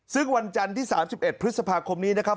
ซึ่งวันจันทร์ที่๓๑พฤษภาคมนี้นะครับ